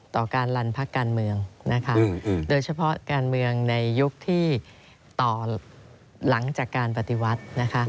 ต่อการลันพักการเมืองนะคะโดยเฉพาะการเมืองในยุคที่ต่อหลังจากการปฏิวัตินะคะ